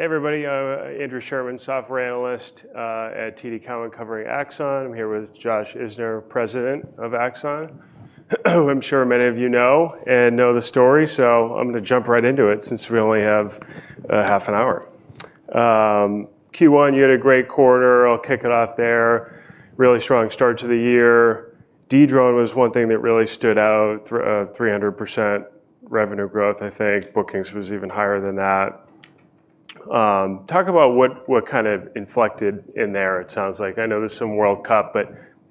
Hey, everybody, Andrew Sherman, software analyst at TD Cowen covering Axon. I'm here with Josh Isner, President of Axon, who I'm sure many of you know and know the story. I'm going to jump right into it since we only have a half an hour. Q1, you had a great quarter. I'll kick it off there. Really strong start to the year. Dedrone was one thing that really stood out, 300% revenue growth, I think. Bookings was even higher than that. Talk about what inflected in there. I know there's some World Cup.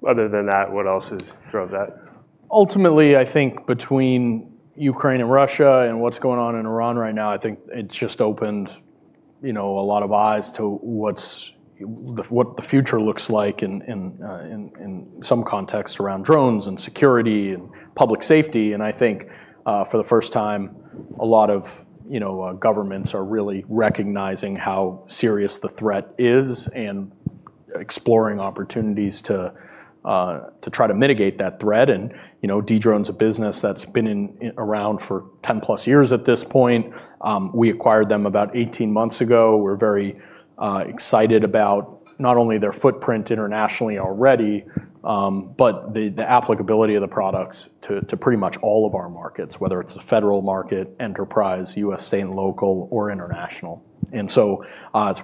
Other than that, what else has drove that? Ultimately, I think between Ukraine and Russia and what's going on in Iran right now, I think it just opened a lot of eyes to what the future looks like in some contexts around drones, and security, and public safety. I think for the first time, a lot of governments are really recognizing how serious the threat is and exploring opportunities to try to mitigate that threat. Dedrone's a business that's been around for 10+ years at this point. We acquired them about 18 months ago. We're very excited about not only their footprint internationally already, but the applicability of the products to pretty much all of our markets, whether it's the federal market, enterprise, U.S., state, and local, or international. It's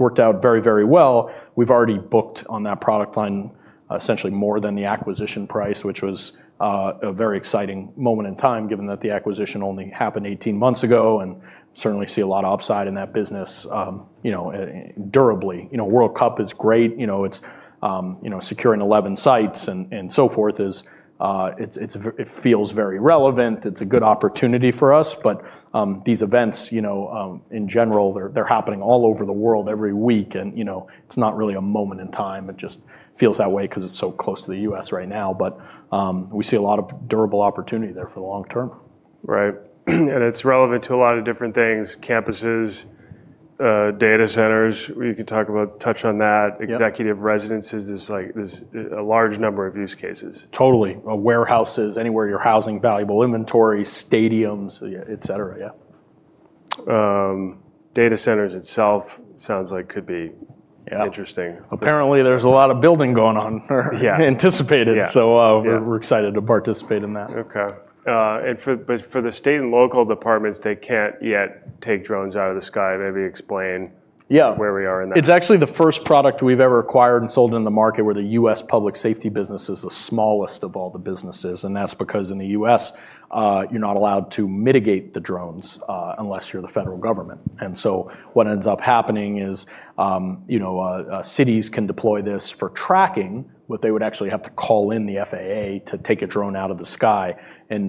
worked out very well. We've already booked on that product line essentially more than the acquisition price, which was a very exciting moment in time, given that the acquisition only happened 18 months ago, and certainly see a lot of upside in that business durably. World Cup is great. It's securing 11 sites and so forth. It feels very relevant. It's a good opportunity for us. These events, in general, they're happening all over the world every week, and it's not really a moment in time. It just feels that way because it's so close to the U.S. right now. We see a lot of durable opportunity there for the long term. Right. It's relevant to a lot of different things, campuses, data centers. We can touch on that. Yep. Executive residences. There's a large number of use cases. Totally. Warehouses, anywhere you're housing valuable inventory, stadiums, et cetera. Yeah. Data centers itself sounds like could be interesting. Apparently, there's a lot of building going on. We anticipated it, we're excited to participate in that. Okay. For the state and local departments, they can't yet take drones out of the sky. Maybe explain where we are in that. It's actually the first product we've ever acquired and sold in the market where the U.S. public safety business is the smallest of all the businesses, and that's because in the U.S., you're not allowed to mitigate the drones unless you're the federal government. What ends up happening is cities can deploy this for tracking, but they would actually have to call in the FAA to take a drone out of the sky.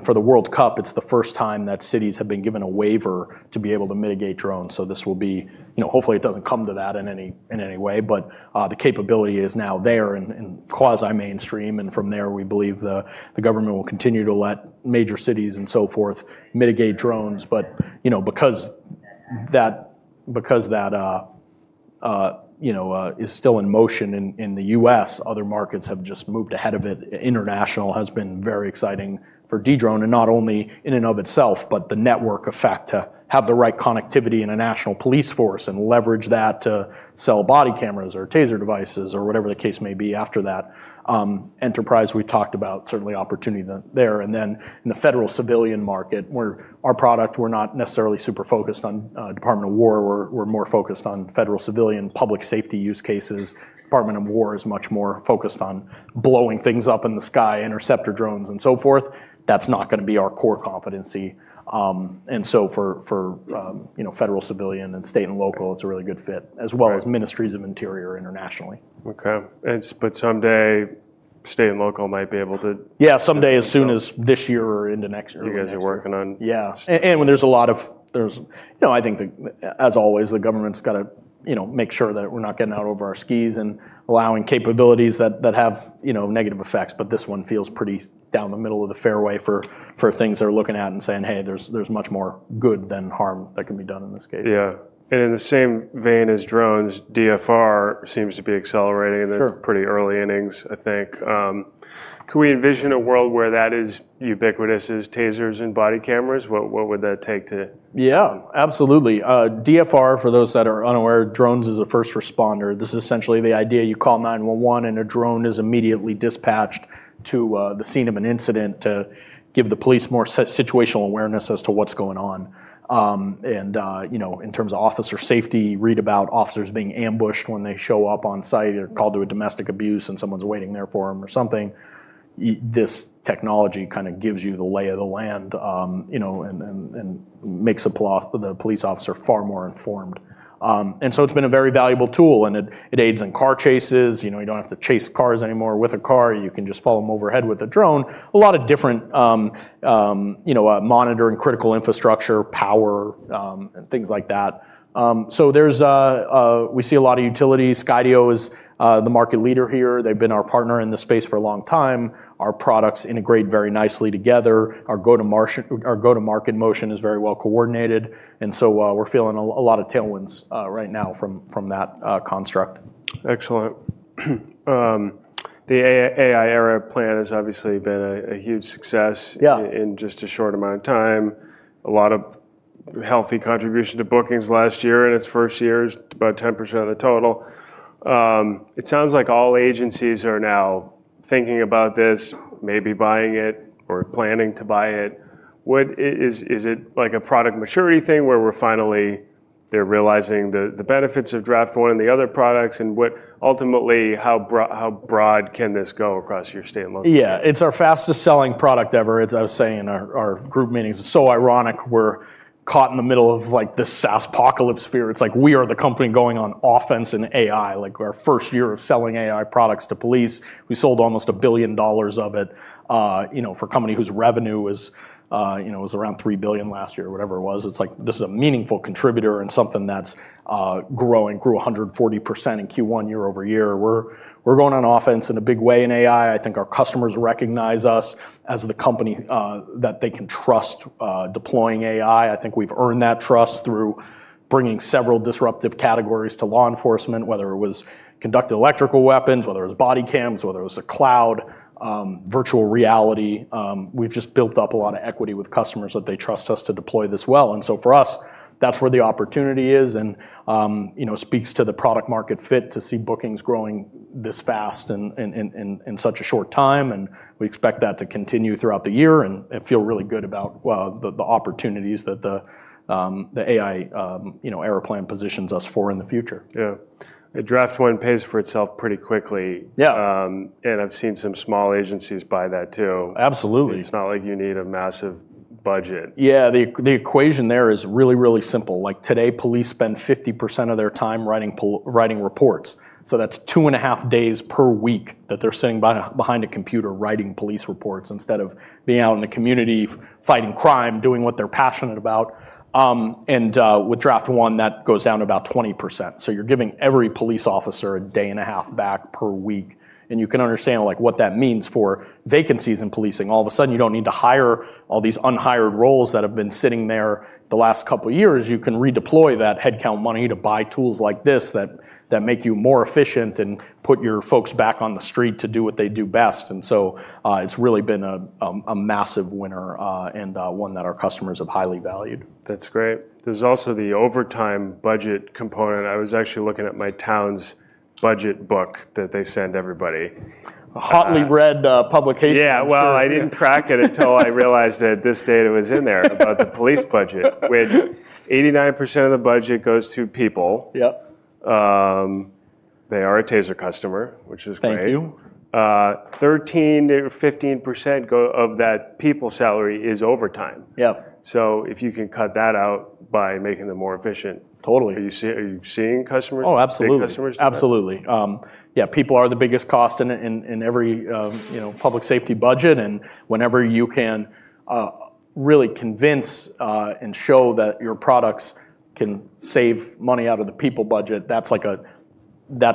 For the World Cup, it's the first time that cities have been given a waiver to be able to mitigate drones. This will be, hopefully it doesn't come to that in any way, but the capability is now there and quasi-mainstream, and from there, we believe the government will continue to let major cities and so forth mitigate drones. Because that is still in motion in the U.S., other markets have just moved ahead of it. International has been very exciting for Dedrone, not only in and of itself, but the network effect to have the right connectivity in a national police force and leverage that to sell body cameras or TASER devices or whatever the case may be after that. Enterprise, we talked about certainly opportunity there. Then in the federal civilian market, our product, we're not necessarily super focused on Department of War. We're more focused on federal civilian public safety use cases. Department of War is much more focused on blowing things up in the sky, interceptor drones, and so forth. That's not going to be our core competency. So for federal civilian and state and local, it's a really good fit, as well as ministries of interior internationally. Okay. someday state and local might be able to? Yeah, someday as soon as this year or into next year. You guys are working on? I think as always, the government's got to make sure that we're not getting out over our skis and allowing capabilities that have negative effects, but this one feels pretty down the middle of the fairway for things they're looking at and saying, hey, there's much more good than harm that can be done in this case. Yeah. In the same vein as drones, DFR seems to be accelerating. Sure It's pretty early innings, I think. Could we envision a world where that is ubiquitous as TASERs and body cameras? What would that take to? Yeah, absolutely. DFR, for those that are unaware, drones as a first responder. This is essentially the idea you call 911 and a drone is immediately dispatched to the scene of an incident to give the police more situational awareness as to what's going on. In terms of officer safety, read about officers being ambushed when they show up on site or called to a domestic abuse and someone's waiting there for them or something. This technology gives you the lay of the land, and makes the police officer far more informed. It's been a very valuable tool, and it aids in car chases. You don't have to chase cars anymore with a car. You can just follow them overhead with a drone. A lot of different monitoring critical infrastructure, power, and things like that. We see a lot of utilities. Skydio is the market leader here. They've been our partner in this space for a long time. Our products integrate very nicely together. Our go-to-market motion is very well coordinated. We're feeling a lot of tailwinds right now from that construct. Excellent. The AI Era Plan has obviously been a huge success in just a short amount of time. A lot of healthy contribution to bookings last year in its first year, about 10% of the total. It sounds like all agencies are now thinking about this, maybe buying it or planning to buy it. Is it like a product maturity thing where finally they're realizing the benefits of Draft One and the other products, and what ultimately, how broad can this go across your state and local? Yeah. It's our fastest selling product ever. As I was saying in our group meetings, it's so ironic we're caught in the middle of this SaaSpocalypse fear. It's like we are the company going on offense in AI. Our first year of selling AI products to police, we sold almost $1 billion of it, for a company whose revenue was around $3 billion last year or whatever it was. It's like this is a meaningful contributor and something that's growing, grew 140% in Q1 year-over-year. We're going on offense in a big way in AI. I think our customers recognize us as the company that they can trust deploying AI. I think we've earned that trust through bringing several disruptive categories to law enforcement, whether it was conducted electrical weapons, whether it was body cams, whether it was the cloud, virtual reality. We've just built up a lot of equity with customers that they trust us to deploy this well. For us, that's where the opportunity is and speaks to the product market fit to see bookings growing this fast in such a short time, and we expect that to continue throughout the year and feel really good about the opportunities that the AI Era Plan positions us for in the future. Yeah. Draft One pays for itself pretty quickly. Yeah. I've seen some small agencies buy that, too. Absolutely. It's not like you need a massive budget. Yeah, the equation there is really, really simple. Like today, police spend 50% of their time writing reports. That's 2.5 days per week that they're sitting behind a computer writing police reports instead of being out in the community fighting crime, doing what they're passionate about. With Draft One, that goes down to about 20%. You're giving every police officer a day and a half back per week, and you can understand what that means for vacancies in policing. All of a sudden, you don't need to hire all these unhired roles that have been sitting there the last couple of years. You can redeploy that headcount money to buy tools like this that make you more efficient and put your folks back on the street to do what they do best. It's really been a massive winner, and one that our customers have highly valued. That's great. There's also the overtime budget component. I was actually looking at my town's budget book that they send everybody. A hotly read publication. Well, I didn't crack it until I realized that this data was in there about the police budget, which 89% of the budget goes to people. Yep. They are a TASER customer, which is great. Thank you. 13%-15% of that people salary is overtime. Yeah. If you can cut that out by making them more efficient. Totally Are you seeing customers? Oh, absolutely. Save customers budget? Absolutely. Yeah, people are the biggest cost in every public safety budget. Whenever you can really convince and show that your products can save money out of the people budget, that's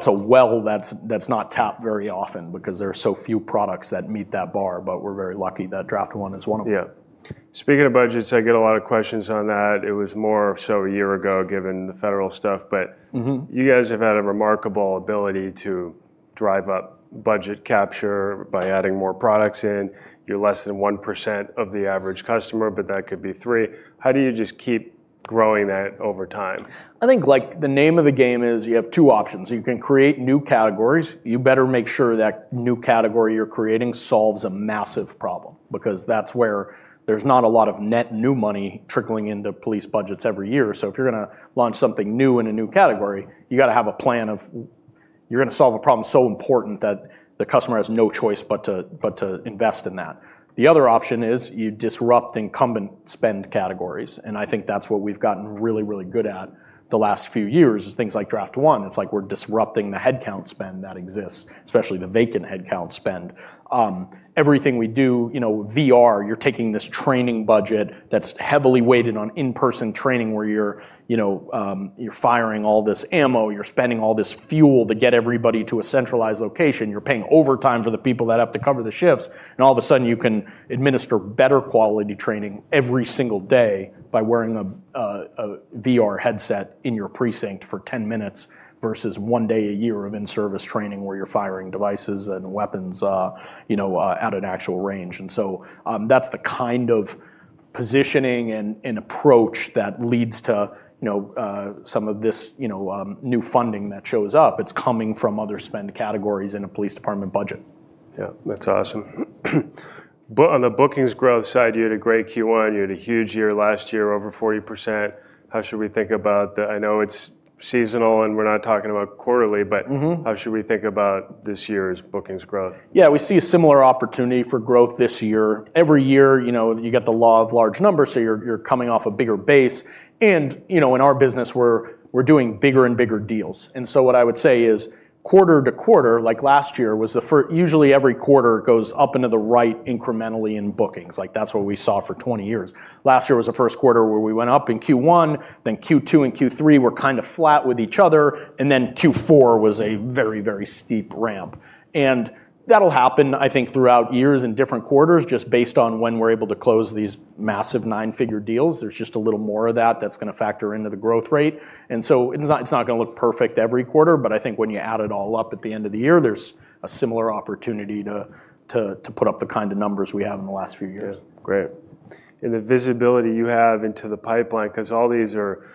a well that's not tapped very often because there are so few products that meet that bar. We're very lucky that Draft One is one of them. Yeah. Speaking of budgets, I get a lot of questions on that. It was more so a year ago given the federal stuff. You guys have had a remarkable ability to drive up budget capture by adding more products in. You're less than 1% of the average customer, but that could be 3%. How do you just keep growing that over time? I think the name of the game is you have two options. You can create new categories. You better make sure that new category you're creating solves a massive problem, because that's where there's not a lot of net new money trickling into police budgets every year. If you're going to launch something new in a new category, you got to have a plan of you're going to solve a problem so important that the customer has no choice but to invest in that. The other option is you disrupt incumbent spend categories, and I think that's what we've gotten really, really good at the last few years, is things like Draft One. It's like we're disrupting the headcount spend that exists, especially the vacant headcount spend. Everything we do, VR, you're taking this training budget that's heavily weighted on in-person training where you're firing all this ammo, you're spending all this fuel to get everybody to a centralized location. You're paying overtime for the people that have to cover the shifts, and all of a sudden, you can administer better quality training every single day by wearing a VR headset in your precinct for 10 minutes versus one day a year of in-service training where you're firing devices and weapons at an actual range. That's the kind of positioning and approach that leads to some of this new funding that shows up. It's coming from other spend categories in a police department budget. Yeah. That's awesome. On the bookings growth side, you had a great Q1. You had a huge year last year, over 40%. How should we think about, I know it's seasonal, and we're not talking about quarterly? How should we think about this year's bookings growth? Yeah, we see a similar opportunity for growth this year. Every year, you get the law of large numbers, so you're coming off a bigger base, and in our business, we're doing bigger and bigger deals. What I would say is quarter-to-quarter, like last year was the first. Usually, every quarter goes up into the right incrementally in bookings. That's what we saw for 20 years. Last year was the first quarter where we went up in Q1, then Q2 and Q3 were kind of flat with each other, and then Q4 was a very, very steep ramp. That'll happen, I think, throughout years in different quarters, just based on when we're able to close these massive nine-figure deals. There's just a little more of that that's going to factor into the growth rate. It's not going to look perfect every quarter, but I think when you add it all up at the end of the year, there's a similar opportunity to put up the kind of numbers we have in the last few years. Yeah. Great. The visibility you have into the pipeline, because all these are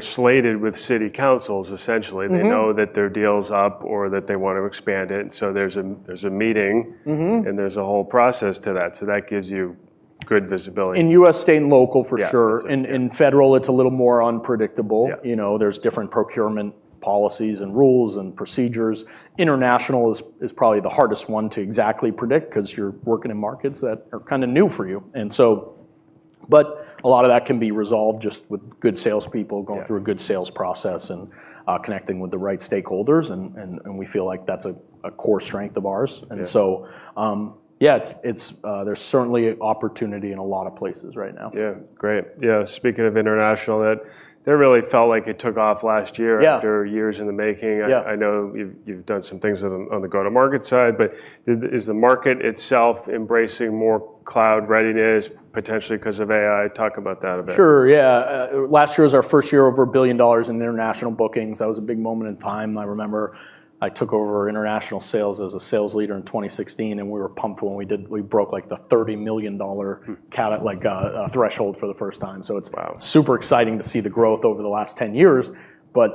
slated with city councils, essentially. They know that their deal's up or that they want to expand it, and so there's a meeting. There's a whole process to that. That gives you good visibility. In U.S. state and local, for sure. Yeah. That's it. Yeah. In federal, it's a little more unpredictable. Yeah. There's different procurement policies and rules and procedures. International is probably the hardest one to exactly predict because you're working in markets that are kind of new for you. A lot of that can be resolved just with good salespeople going through a good sales process and connecting with the right stakeholders, and we feel like that's a core strength of ours. Yeah. There's certainly opportunity in a lot of places right now. Yeah. Great. Yeah. Speaking of international, that really felt like it took off last year, after years in the making. Yeah. I know you've done some things on the go-to-market side, but is the market itself embracing more cloud readiness, potentially because of AI? Talk about that a bit. Sure, yeah. Last year was our first year over $1 billion in international bookings. That was a big moment in time. I remember I took over international sales as a sales leader in 2016, and we were pumped when we broke the $30 million threshold for the first time. Wow Super exciting to see the growth over the last 10 years.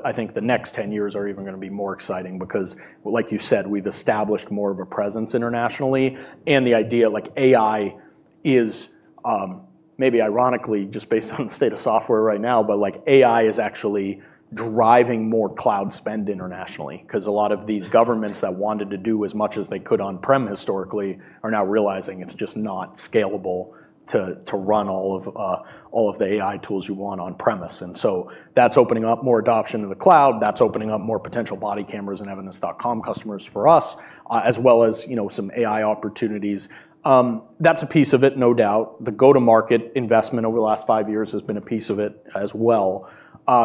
I think the next 10 years are even going to be more exciting because, like you said, we've established more of a presence internationally, and the idea like AI is, maybe ironically just based on the state of software right now, but AI is actually driving more cloud spend internationally. A lot of these governments that wanted to do as much as they could on-prem historically are now realizing it's just not scalable to run all of the AI tools you want on-premise. That's opening up more adoption to the cloud. That's opening up more potential body cameras and Evidence.com customers for us, as well as some AI opportunities. That's a piece of it, no doubt. The go-to-market investment over the last five years has been a piece of it as well.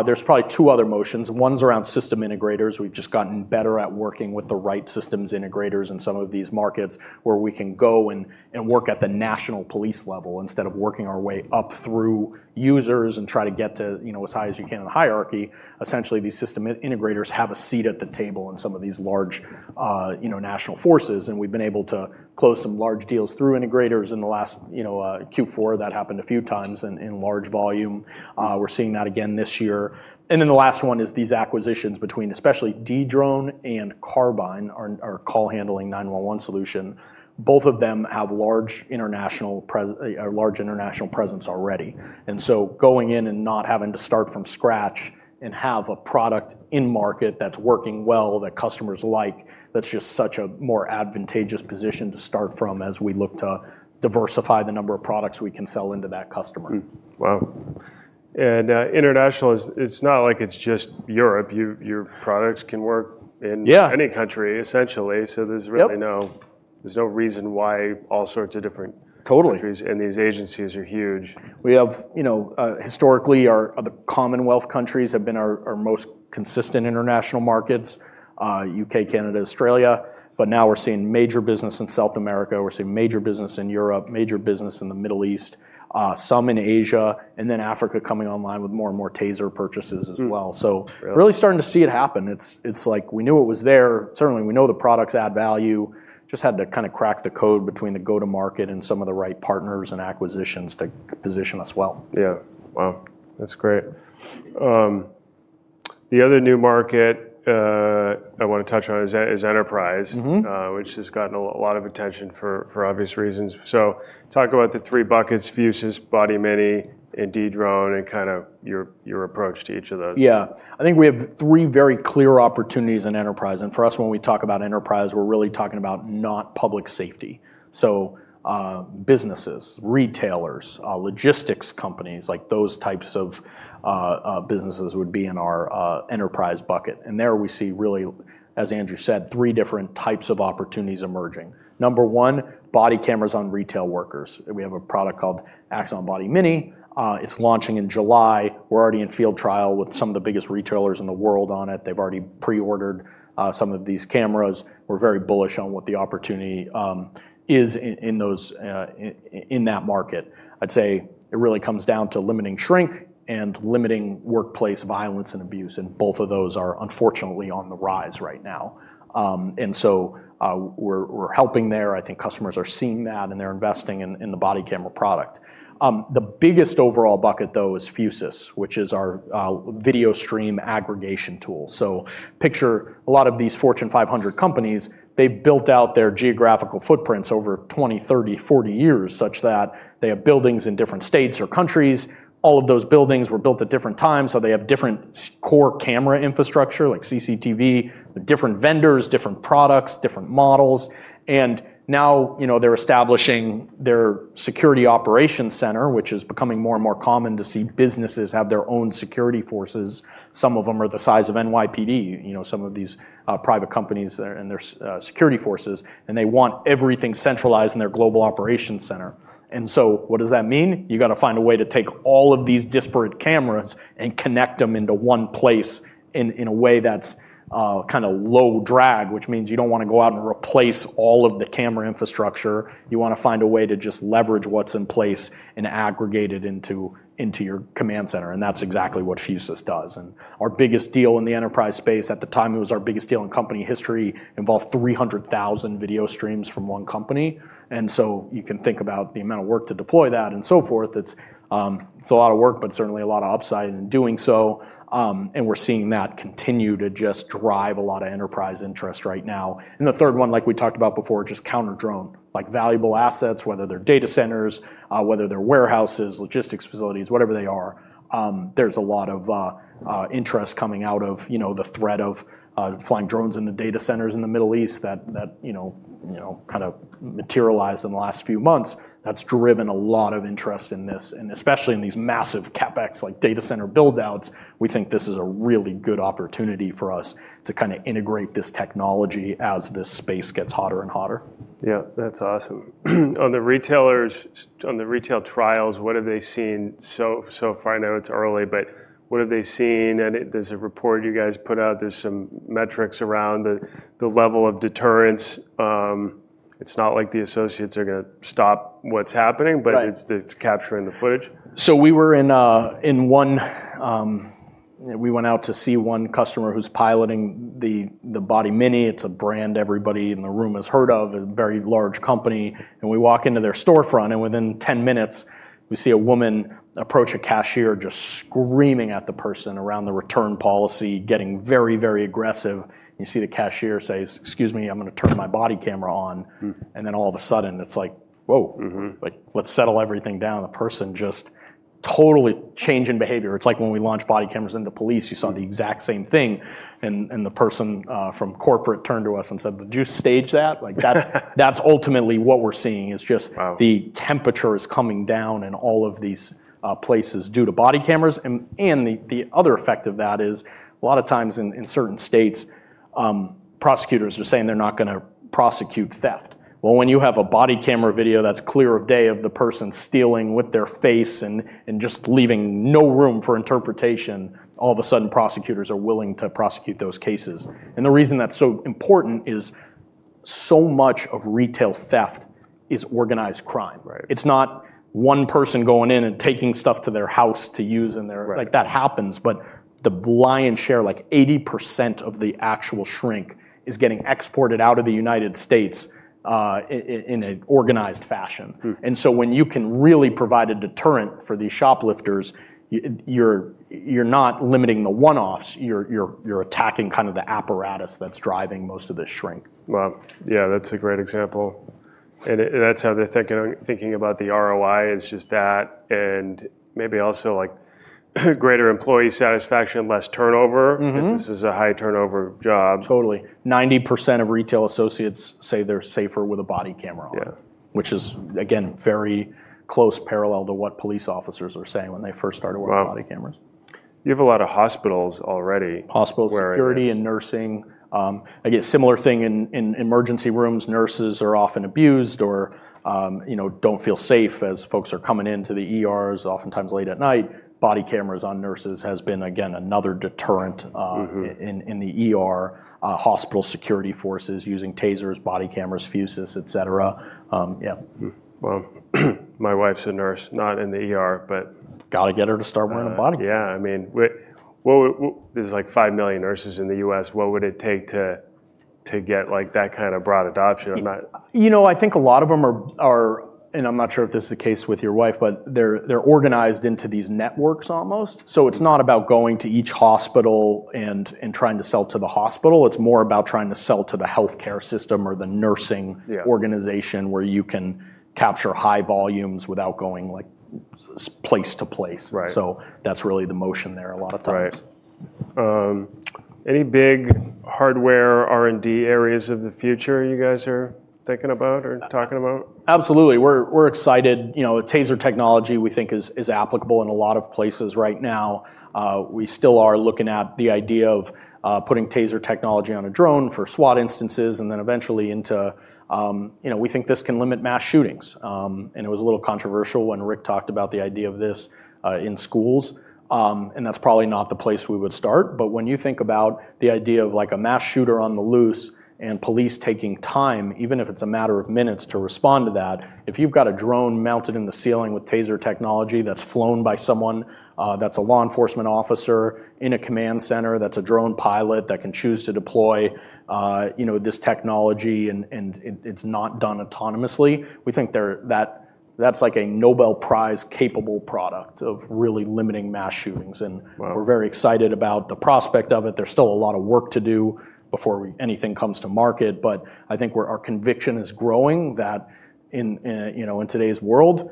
There's probably two other motions. One's around system integrators. We've just gotten better at working with the right systems integrators in some of these markets, where we can go and work at the national police level instead of working our way up through users and try to get to as high as you can in the hierarchy. Essentially, these system integrators have a seat at the table in some of these large national forces, and we've been able to close some large deals through integrators in the last Q4, that happened a few times in large volume. We're seeing that again this year. Then the last one is these acquisitions between especially Dedrone and Carbyne, our call handling 911 solution. Both of them have a large international presence already, and so going in and not having to start from scratch and have a product in market that's working well, that customers like, that's just such a more advantageous position to start from as we look to diversify the number of products we can sell into that customer. Wow. International, it's not like it's just Europe where your product can work, any country, essentially, so there's no reason why all sorts of different countries, and these agencies are huge. Totally. Historically, the Commonwealth countries have been our most consistent international markets, U.K., Canada, Australia. Now we're seeing major business in South America, we're seeing major business in Europe, major business in the Middle East, some in Asia, and then Africa coming online with more and more TASER purchases as well. Really? Really starting to see it happen. It's like we knew it was there. Certainly, we know the products add value. Just had to kind of crack the code between the go-to-market and some of the right partners and acquisitions to position us well. Yeah. Wow. That's great. The other new market I want to touch on is enterprise which has gotten a lot of attention for obvious reasons. Talk about the three buckets, Fusus, Body Mini, and Dedrone, and your approach to each of those. I think we have three very clear opportunities in enterprise. For us, when we talk about enterprise, we're really talking about not public safety. Businesses, retailers, logistics companies, those types of businesses would be in our enterprise bucket. There we see really, as Andrew said, three different types of opportunities emerging. Number one, body cameras on retail workers. We have a product called Axon Body Mini. It's launching in July. We're already in field trial with some of the biggest retailers in the world on it. They've already pre-ordered some of these cameras. We're very bullish on what the opportunity is in that market. I'd say it really comes down to limiting shrink and limiting workplace violence and abuse, and both of those are unfortunately on the rise right now. We're helping there. I think customers are seeing that, and they're investing in the body camera product. The biggest overall bucket, though, is Fusus, which is our video stream aggregation tool. Picture a lot of these Fortune 500 companies, they've built out their geographical footprints over 20, 30, 40 years such that they have buildings in different states or countries. All of those buildings were built at different times, so they have different core camera infrastructure, like CCTV with different vendors, different products, different models. Now, they're establishing their security operations center, which is becoming more and more common to see businesses have their own security forces. Some of them are the size of NYPD, some of these private companies and their security forces, and they want everything centralized in their global operations center. What does that mean? You've got to find a way to take all of these disparate cameras and connect them into one place in a way that's low drag, which means you don't want to go out and replace all of the camera infrastructure. You want to find a way to just leverage what's in place and aggregate it into your command center. That's exactly what Fusus does. Our biggest deal in the enterprise space, at the time it was our biggest deal in company history, involved 300,000 video streams from one company. You can think about the amount of work to deploy that and so forth. It's a lot of work, but certainly a lot of upside in doing so. We're seeing that continue to just drive a lot of enterprise interest right now. The third one, like we talked about before, just counter-drone. Like valuable assets, whether they're data centers, whether they're warehouses, logistics facilities, whatever they are, there's a lot of interest coming out of the threat of flying drones into data centers in the Middle East that kind of materialized in the last few months. That's driven a lot of interest in this, and especially in these massive CapEx, like data center build-outs. We think this is a really good opportunity for us to integrate this technology as this space gets hotter and hotter. Yeah, that's awesome. On the retail trials, what have they seen so far? I know it's early, but what have they seen? There's a report you guys put out, there's some metrics around the level of deterrence. It's not like the associates are going to stop what's happening, but it's capturing the footage. We went out to see one customer who's piloting the Body Mini. It's a brand everybody in the room has heard of, a very large company. We walk into their storefront, and within 10 minutes, we see a woman approach a cashier just screaming at the person around the return policy, getting very, very aggressive, and you see the cashier say, excuse me, I'm going to turn my body camera on. All of a sudden it's like, whoa. Let's settle everything down. The person just totally changed in behavior. It's like when we launched body cameras into police, you saw the exact same thing, and the person from corporate turned to us and said, did you stage that? That's ultimately what we're seeing. Wow The temperature is coming down in all of these places due to body cameras. The other effect of that is a lot of times in certain states, prosecutors are saying they're not going to prosecute theft. Well, when you have a body camera video that's clear as day of the person stealing with their face and just leaving no room for interpretation, all of a sudden prosecutors are willing to prosecute those cases. The reason that's so important is so much of retail theft is organized crime. Right. It's not one person going in and taking stuff to their house to use in their, that happens, but the lion's share, like 80% of the actual shrink, is getting exported out of the United States in an organized fashion. When you can really provide a deterrent for these shoplifters, you're not limiting the one-offs, you're attacking the apparatus that's driving most of the shrink. Wow. Yeah, that's a great example. That's how they're thinking about the ROI is just that, and maybe also greater employee satisfaction, less turnover. If this is a high turnover job. Totally. 90% of retail associates say they're safer with a body camera on. Yeah. Which is, again, very close parallel to what police officers are saying when they first started wearing body cameras. You have a lot of hospitals already. Hospital security and nursing. Similar thing in emergency rooms. Nurses are often abused or don't feel safe as folks are coming into the ERs, oftentimes late at night. Body cameras on nurses has been, again, another deterrent in the ER. Hospital security forces using TASERs, body cameras, Fusus, et cetera. Yeah. My wife's a nurse, not in the ER, but. Got to get her to start wearing a body camera. Yeah. There's like 5 million nurses in the U.S., what would it take to get that kind of broad adoption? I think a lot of them are, and I'm not sure if this is the case with your wife, but they're organized into these networks almost. It's not about going to each hospital and trying to sell to the hospital, it's more about trying to sell to the healthcare system or the nursing organization where you can capture high volumes without going place to place. Right. That's really the motion there a lot of times. Right. Any big hardware R&D areas of the future you guys are thinking about or talking about? Absolutely. We're excited. TASER technology, we think, is applicable in a lot of places right now. We still are looking at the idea of putting TASER technology on a drone for SWAT instances and then eventually into, we think this can limit mass shootings, and it was a little controversial when Rick talked about the idea of this in schools, and that's probably not the place we would start. When you think about the idea of a mass shooter on the loose and police taking time, even if it's a matter of minutes, to respond to that, if you've got a drone mounted in the ceiling with TASER technology that's flown by someone that's a law enforcement officer in a command center that's a drone pilot that can choose to deploy this technology, and it's not done autonomously, we think that's a Nobel Prize-capable product of really limiting mass shootings. Wow We're very excited about the prospect of it. There's still a lot of work to do before anything comes to market, but I think our conviction is growing that in today's world,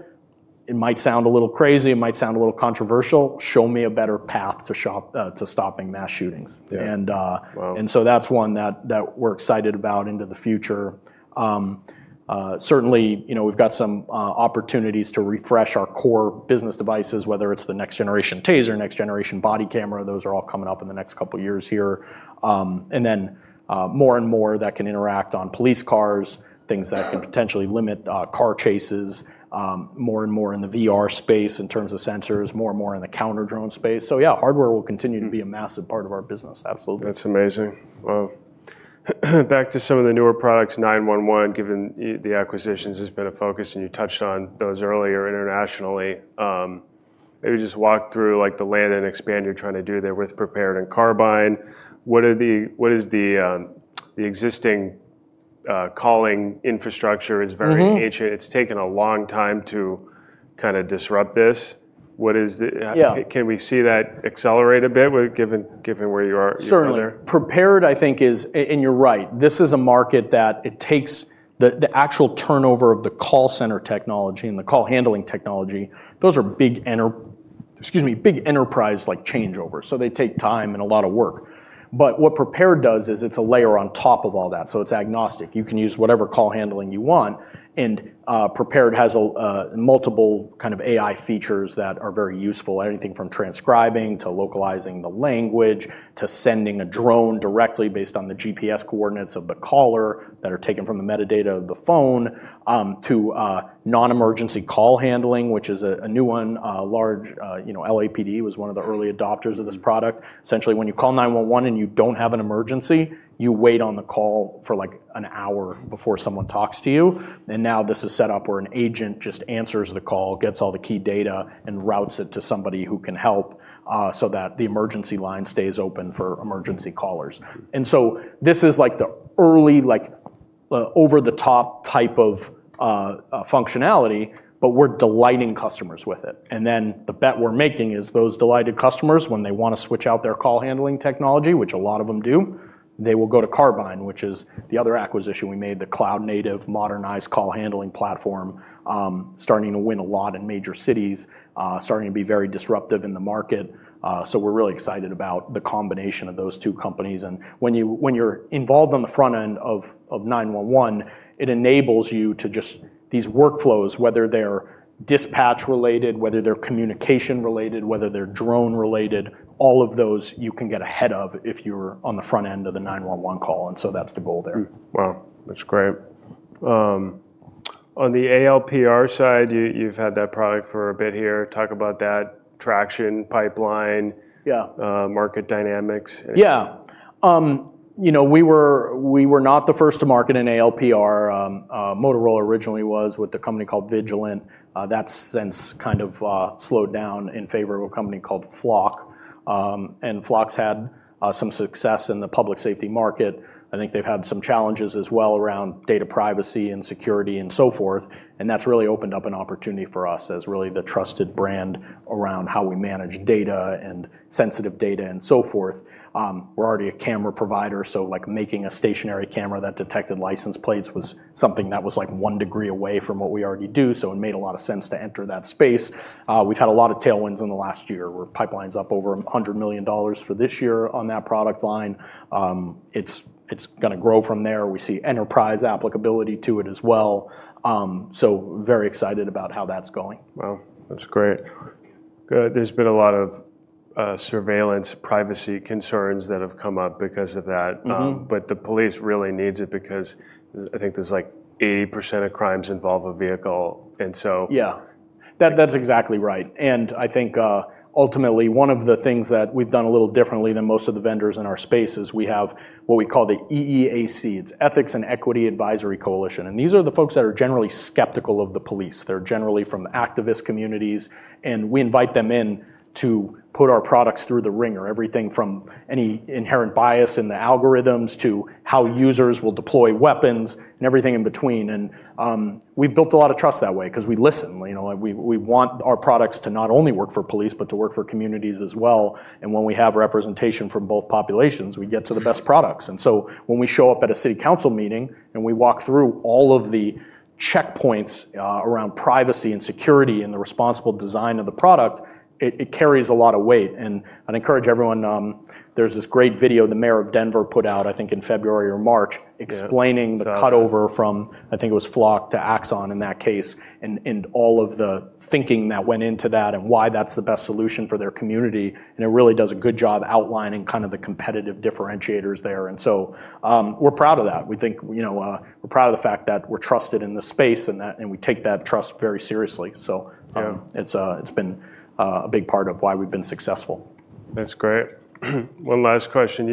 it might sound a little crazy, it might sound a little controversial. Show me a better path to stopping mass shootings? Yeah. Wow. That's one that we're excited about into the future. Certainly, we've got some opportunities to refresh our core business devices, whether it's the next generation TASER, next generation body camera. Those are all coming up in the next couple years here. More and more that can interact on police cars, things that can potentially limit car chases. More and more in the VR space in terms of sensors, more and more in the counter-drone space. Yeah, hardware will continue to be a massive part of our business. Absolutely. That's amazing. Wow. Back to some of the newer products, 911, given the acquisitions has been a focus, and you touched on those earlier internationally. Maybe just walk through like the land and expand you're trying to do there with Prepared and Carbyne. What is the existing calling infrastructure? It's very ancient. It's taken a long time to kind of disrupt this. Yeah Can we see that accelerate a bit with given where you are there? Certainly. Prepared. You're right, this is a market that it takes the actual turnover of the call center technology and the call handling technology. Those are big enterprise, like changeover. They take time and a lot of work. What Prepared does is it's a layer on top of all that. It's agnostic. You can use whatever call handling you want, and Prepared has multiple kind of AI features that are very useful. Anything from transcribing to localizing the language, to sending a drone directly based on the GPS coordinates of the caller that are taken from the metadata of the phone, to non-emergency call handling, which is a new one. LAPD was one of the early adopters of this product. Essentially, when you call 911 and you don't have an emergency, you wait on the call for like an hour before someone talks to you. Now this is set up where an agent just answers the call, gets all the key data, and routes it to somebody who can help, so that the emergency line stays open for emergency callers. This is like the early, over the top type of functionality, but we're delighting customers with it. The bet we're making is those delighted customers, when they want to switch out their call handling technology, which a lot of them do, they will go to Carbyne, which is the other acquisition we made, the cloud native modernized call handling platform. Starting to win a lot in major cities, starting to be very disruptive in the market. We're really excited about the combination of those two companies. When you're involved on the front end of 911, it enables you to, just these workflows, whether they're dispatch related, whether they're communication related, whether they're drone related, all of those you can get ahead of if you're on the front end of the 911 call. That's the goal there. Wow, that's great. On the ALPR side, you've had that product for a bit here. Talk about that traction pipeline? Market dynamics. Yeah. We were not the first to market an ALPR. Motorola originally was with a company called Vigilant. That since kind of slowed down in favor of a company called Flock. Flock's had some success in the public safety market. I think they've had some challenges as well around data privacy and security and so forth, that's really opened up an opportunity for us as really the trusted brand around how we manage data and sensitive data and so forth. We're already a camera provider, so like making a stationary camera that detected license plates was something that was like one degree away from what we already do, so it made a lot of sense to enter that space. We've had a lot of tailwinds in the last year. We're pipeline's up over $100 million for this year on that product line. It's going to grow from there. We see enterprise applicability to it as well. Very excited about how that's going. Wow. That's great. Good. There's been a lot of surveillance privacy concerns that have come up because of that. The police really needs it because I think there's like 80% of crimes involve a vehicle. Yeah. That's exactly right. I think, ultimately, one of the things that we've done a little differently than most of the vendors in our space is we have what we call the EEAC. It's Ethics & Equity Advisory Coalition. These are the folks that are generally skeptical of the police. They're generally from activist communities, and we invite them in to put our products through the wringer. Everything from any inherent bias in the algorithms to how users will deploy weapons and everything in between. We've built a lot of trust that way because we listen, we want our products to not only work for police, but to work for communities as well. When we have representation from both populations, we get to the best products. When we show up at a city council meeting and we walk through all of the checkpoints around privacy and security and the responsible design of the product, it carries a lot of weight. I'd encourage everyone, there's this great video the mayor of Denver put out, I think in February or March, explaining the cut over from, I think it was Flock to Axon in that case, and all of the thinking that went into that and why that's the best solution for their community. It really does a good job outlining kind of the competitive differentiators there. We're proud of that. We're proud of the fact that we're trusted in the space and we take that trust very seriously. Yeah it's been a big part of why we've been successful. That's great. One last question.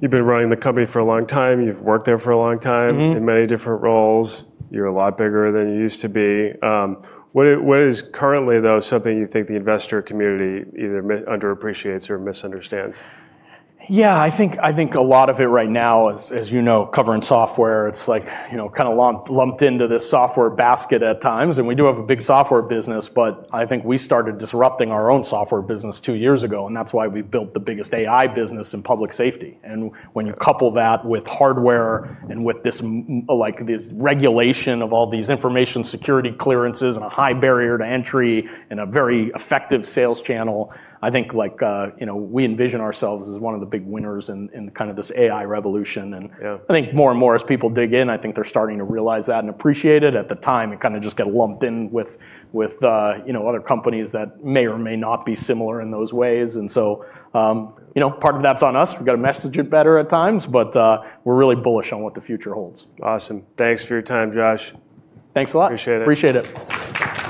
You've been running the company for a long time. You've worked there for a long time. In many different roles. You're a lot bigger than you used to be. What is currently, though, something you think the investor community either underappreciates or misunderstands? Yeah, I think a lot of it right now as covering software, it's like kind of lumped into this software basket at times, and we do have a big software business, but I think we started disrupting our own software business two years ago. That's why we built the biggest AI business in public safety. When you couple that with hardware and with this regulation of all these information security clearances and a high barrier to entry and a very effective sales channel, I think we envision ourselves as one of the big winners in kind of this AI revolution. Yeah I think more and more as people dig in, I think they're starting to realize that and appreciate it. At the time, it kind of just got lumped in with other companies that may or may not be similar in those ways. Part of that's on us. We've got to message it better at times, but we're really bullish on what the future holds. Awesome. Thanks for your time, Josh. Thanks a lot. Appreciate it. Appreciate it. Thanks.